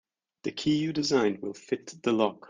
The key you designed will fit the lock.